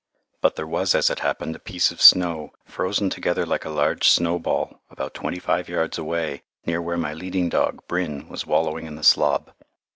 But there was as it happened a piece of snow, frozen together like a large snowball, about twenty five yards away, near where my leading dog, "Brin," was wallowing in the slob.